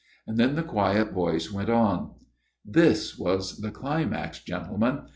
Then the quiet voice went on. " This was the climax, gentlemen.